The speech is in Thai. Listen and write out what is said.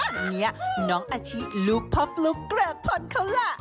เนี่ยน้องอาชีลูปพบลูปเกริกพลเขาล่ะ